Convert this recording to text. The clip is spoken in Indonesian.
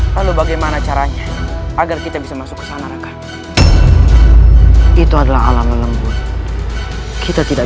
lalu bagaimana caranya agar kita bisa masuk ke sana rangka itu adalah alaman lembut kita tidak